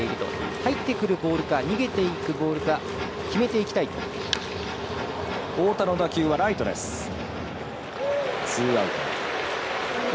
入ってくるボールか逃げていくボールか決めていきたいと。